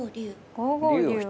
５五竜を。